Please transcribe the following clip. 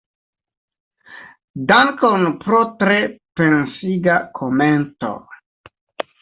Dankon pro tre pensiga komento.